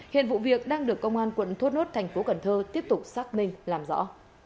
hiện vụ việc đang được công an quận thốt nốt thành phố cần thơ tiếp tục xác minh làm rõ